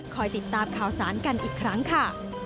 ติดตามข่าวสารกันอีกครั้งค่ะ